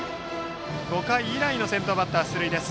５回以来の先頭バッター出塁です。